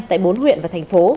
tại bốn huyện và thành phố